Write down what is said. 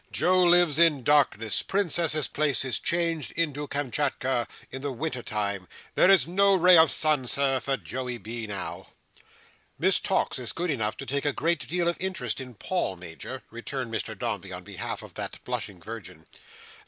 "Joe lives in darkness. Princess's Place is changed into Kamschatka in the winter time. There is no ray of sun, Sir, for Joey B., now." "Miss Tox is good enough to take a great deal of interest in Paul, Major," returned Mr Dombey on behalf of that blushing virgin.